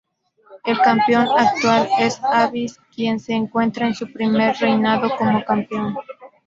El campeón actual es Abyss, quien se encuentra en su primer reinado como campeón.